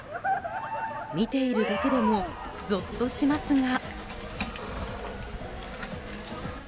見ているだけでもぞっとしますが。